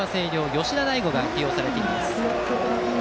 吉田大吾が起用されています。